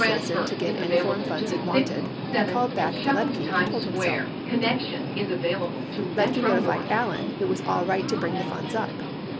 citizen to give any foreign funds he wanted, and called back to Liedtke and told him so. 61 Liedtke notified Allen it was all right to bring the funds up.